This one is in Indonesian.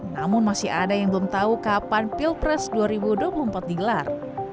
namun masih ada yang belum tahu kapan pilpres dua ribu dua puluh empat digelar